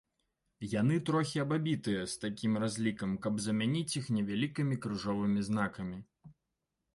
Яны трохі абабітыя з такім разлікам, каб замяніць іх невялікімі крыжовымі знакамі.